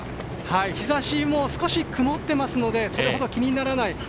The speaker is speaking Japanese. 日ざしも少し曇ってますのでそれほど気にならない。